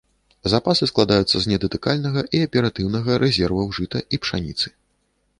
Запасы складаюцца з недатыкальнага і аператыўнага рэзерваў жыта і пшаніцы.